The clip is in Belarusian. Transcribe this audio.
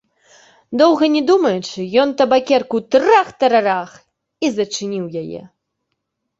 Доўга не думаючы, ён табакерку трах-тарарах і зачыніў яе.